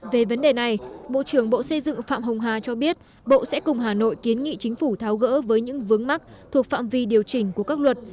về vấn đề này bộ trưởng bộ xây dựng phạm hồng hà cho biết bộ sẽ cùng hà nội kiến nghị chính phủ tháo gỡ với những vướng mắc thuộc phạm vi điều chỉnh của các luật